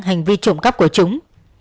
hành vi trộm cắp của chúng